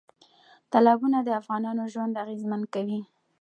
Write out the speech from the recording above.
تالابونه د افغانانو ژوند اغېزمن کوي.